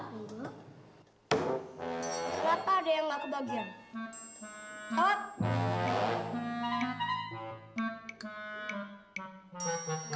kenapa ada yang gak kebagian